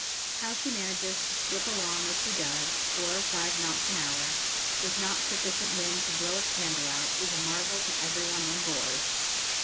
How she manages to slip along as she does, four or five knots an hour, with not sufficient wind to blow a candle out, is a marvel to every one on board.